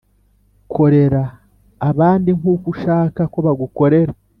korera abandi nkuko ushaka ko bagukorera